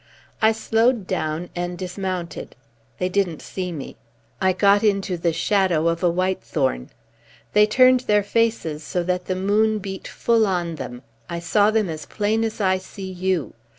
I slowed down and dismounted. They didn't see me. I got into the shadow of a whitethorn. They turned their faces so that the moon beat full on them. I saw them as plain as I see you.